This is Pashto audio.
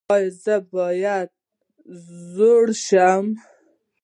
ایا زه باید زوی شم؟